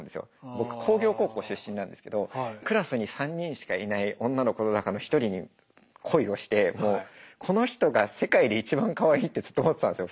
僕工業高校出身なんですけどクラスに３人しかいない女の子の中の１人に恋をしてこの人が世界で一番かわいいってずっと思ってたんですよ